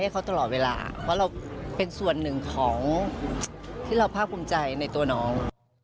ตลอดเวลาเพราะเราเป็นส่วนหนึ่งของที่เราภาคภูมิใจในตัวน้อง